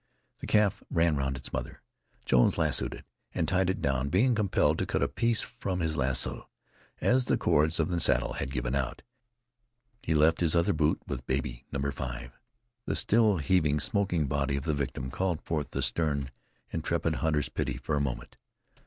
The calf ran round its mother. Jones lassoed it, and tied it down, being compelled to cut a piece from his lasso, as the cords on the saddle had given out. He left his other boot with baby number five. The still heaving, smoking body of the victim called forth the stern, intrepid hunter's pity for a moment.